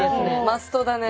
マストだね。